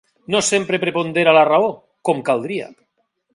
No sempre prepondera la raó, com caldria.